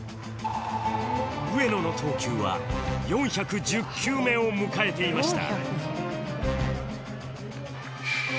上野の投球は４１０球目を迎えていました